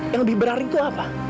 yang lebih berat itu apa